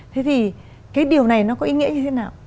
thế thì cái điều này nó có ý nghĩa như thế nào